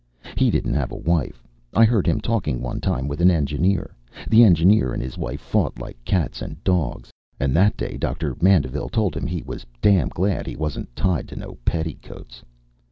He didn't have a wife. I heard him talking one time with the engineer. The engineer and his wife fought like cats and dogs, and that day Doctor Mandeville told him he was damn glad he wasn't tied to no petticoats.